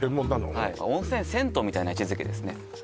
はい温泉銭湯みたいな位置づけですね